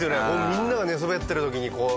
みんなが寝そべってる時にこう。